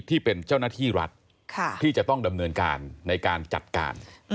ที่เป็นเจ้าหน้าที่รัฐที่จะต้องดำเนินการในการจัดการ